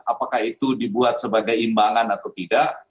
apakah itu dibuat sebagai imbangan atau tidak